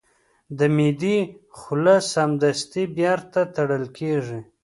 د معدې خوله سمدستي بیرته تړل کېږي.